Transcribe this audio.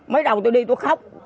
mới đầu tôi đi tôi khóc